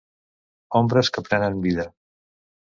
Ombres que prenen vida.